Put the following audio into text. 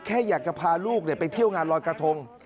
แค่อยากจะพาลูกไปเที่ยวงานลอยกระทง